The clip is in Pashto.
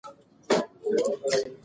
ورزش د زړه ناروغیو د مخنیوي سبب دی.